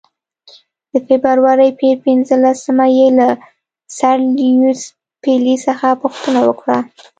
د فبرورۍ پر پنځمه یې له سر لیویس پیلي څخه پوښتنه وکړه.